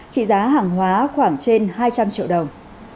trị giá hàng hóa khoảng trên hai trăm linh triệu đồng